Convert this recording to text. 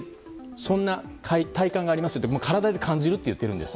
そんな体感がありますと体で感じると言っているんです。